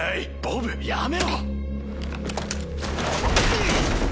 うっ！